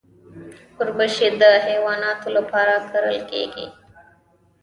وربشې د حیواناتو لپاره کرل کیږي.